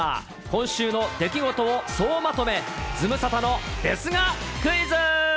今週の出来事を総まとめ、ズムサタのですがクイズ。